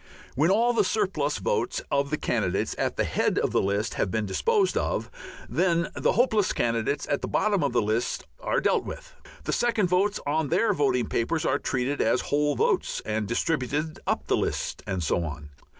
When all the surplus votes of the candidates at the head of the list have been disposed of, then the hopeless candidates at the bottom of the list are dealt with. The second votes on their voting papers are treated as whole votes and distributed up the list, and so on.